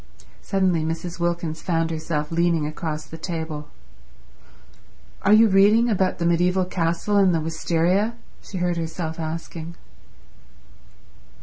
. Suddenly Mrs. Wilkins found herself leaning across the table. "Are you reading about the mediaeval castle and the wisteria?" she heard herself asking.